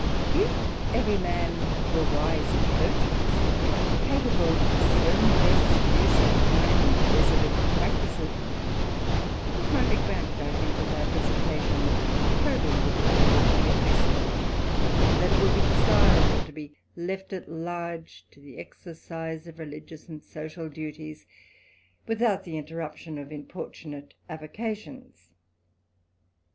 If every man were wise and virtuous, capable to discern the best use of time, and resolute to practise it ; it might be granted, I think, without hesitation, that total liberty would be a blessing ; and that it would be desirable to be left at large to the exercise of religious and social duties, without the interruption of importunate avocations.